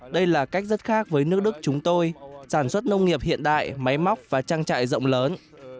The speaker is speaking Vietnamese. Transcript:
đây là cách rất khác với nước đức chúng tôi sản xuất nông nghiệp hiện đại máy móc và trang trại rộng lớn